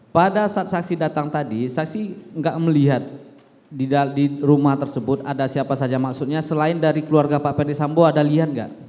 pada saat saksi datang tadi saksi nggak melihat di rumah tersebut ada siapa saja maksudnya selain dari keluarga pak ferdisambo ada lian nggak